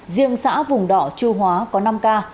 riêng xã vùng đỏ chu hóa có năm ca